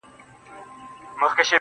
o لكه گلاب چي سمال ووهي ويده سمه زه.